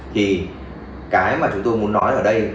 thì cái mà chúng tôi muốn nói ở đây